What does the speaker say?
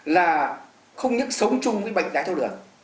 là không những sống chung với bệnh đáy thao đường